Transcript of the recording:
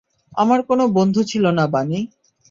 আমার কোনো বন্ধু ছিলো না, বানি।